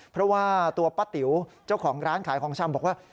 เพราะว่าตัวป้าติ๋วเจ้าของร้านขายของชำบอกว่า